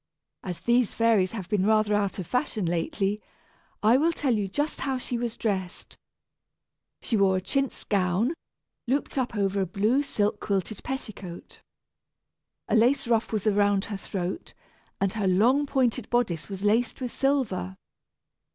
As these fairies have been rather out of fashion lately, I will tell you just how she was dressed. She wore a chintz gown, looped up over a blue silk quilted petticoat. A lace ruff was around her throat, and her long pointed bodice was laced with silver.